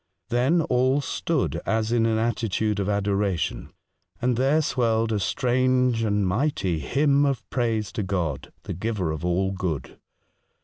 Then all stood as in an attitude of adoration, and there swelled a strange and mighty hymn of praise to God, the giver of all good.